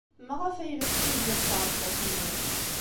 Maɣef ay la tettazzal tɛebbuḍt-nnek?